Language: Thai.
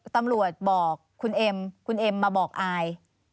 ตำรวจบอกคุณเอ็มคุณเอ็มมาบอกอาย